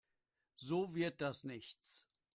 So wird das nichts.